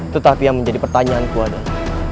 tetapi yang menjadi pertanyaanku adalah